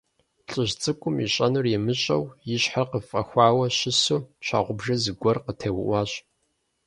ЛӀыжь цӀыкӀум, ищӀэнур имыщӀэу, и щхьэр къыфӀэхуауэ щысу, щхьэгъубжэм зыгуэр къытеуӀуащ.